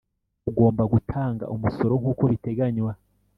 ugomba gutanga umusoro nkuko biteganywa